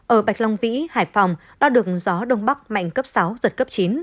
ở bạch long vĩ hải phòng đo được gió đông bắc mạnh cấp sáu giật cấp chín